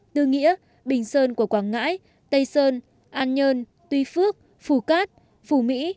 tư nghĩa bình sơn của quảng ngãi tây sơn an nhơn tuy phước phù cát phù mỹ